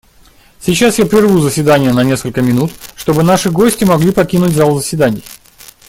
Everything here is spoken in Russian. Сейчас я прерву заседание на несколько минут, чтобы наши гости могли покинуть зал заседаний.